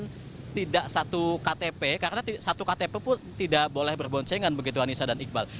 dan tidak satu ktp karena satu ktp pun tidak boleh berbonsengan begitu anissa dan iqbal